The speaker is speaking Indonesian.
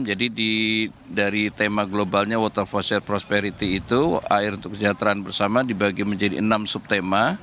jadi dari tema globalnya water for shared prosperity itu air untuk kesejahteraan bersama dibagi menjadi enam subtema